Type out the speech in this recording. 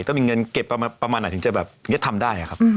ต้องมีเงินเก็บประมาณไหนถึงจะทำได้